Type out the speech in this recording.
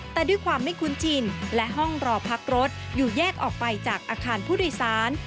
แต่ด้วยความไม่คุ้นชินและห้องรอพักรถอยู่แยกออกไปจากอาคารผู้โดยสาร